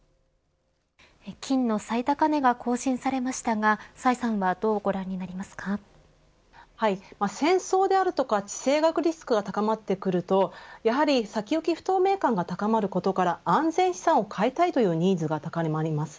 金の最高値が更新されましたが戦争であるとか地政学リスクが高まってくると先行き不透明感が高まることから安全資産を買いたいというニーズが高まります。